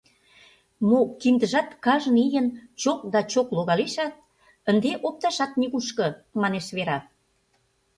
Мо, киндыжат кажне ийын чок да чок логалешат, ынде опташат нигушко, — манеш Вера.